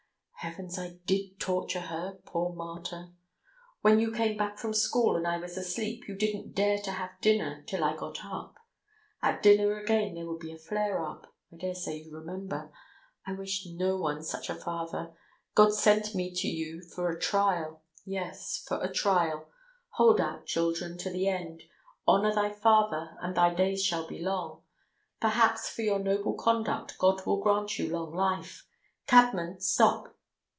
Heavens! I did torture her, poor martyr! When you came back from school and I was asleep you didn't dare to have dinner till I got up. At dinner again there would be a flare up. I daresay you remember. I wish no one such a father; God sent me to you for a trial. Yes, for a trial! Hold out, children, to the end! Honour thy father and thy days shall be long. Perhaps for your noble conduct God will grant you long life. Cabman, stop!"